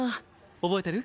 覚えてる？